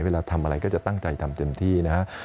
เวลาทำอะไรก็จะตั้งใจทำเต็มที่นะฮะ